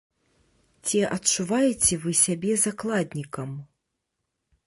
Ці адчуваеце вы сябе закладнікам?